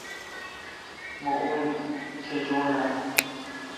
مہ ان تھجون اؘ۔